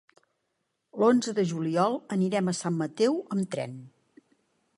L'onze de juliol anirem a Sant Mateu amb tren.